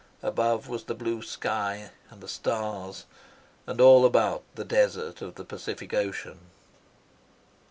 Above was the blue sky, and the stars, and all about the desert of the Pacific Ocean.